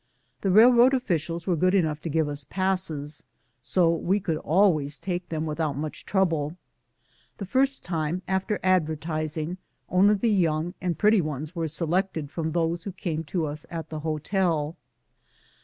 The railroad officials were good enough to give us passes, so we could always take them without much trouble. The first time after advertising, only the young and pretty ones were selected from those who came to us at the hotel.